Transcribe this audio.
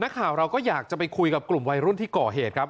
ข่าวเราก็อยากจะไปคุยกับกลุ่มวัยรุ่นที่ก่อเหตุครับ